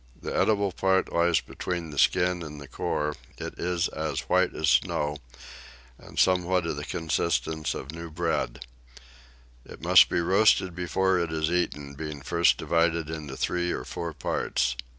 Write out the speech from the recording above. The eatable part lies between the skin and the core; it is as white as snow, and somewhat of the consistence of new bread: it must be roasted before it is eaten, being first divided into three or four parts.